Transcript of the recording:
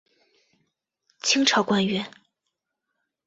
清朝官员。